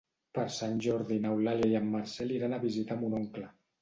Per Sant Jordi n'Eulàlia i en Marcel iran a visitar mon oncle.